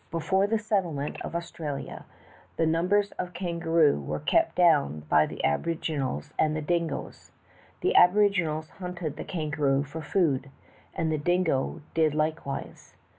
Before the settlement of Australia, the numbers of the kangaroo were kept down by the aborigi nals and the dingoes. The aboriginals hunted the kangaroo for food, and the dingo did like wise.